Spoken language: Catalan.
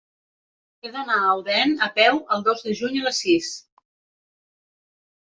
He d'anar a Odèn a peu el dos de juny a les sis.